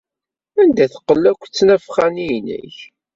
Anda teqqel akk ttnafxa-nni-inek?